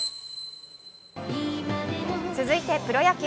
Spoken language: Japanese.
続いてプロ野球。